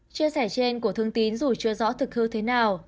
chia sẻ trên của thương tín dù chưa rõ thực hư thế nào